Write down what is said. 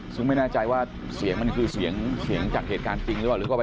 ซึ่งไม่แน่ใจว่าเสียงมันคือเสียงจากเหตุการณ์จริงหรือเปล่า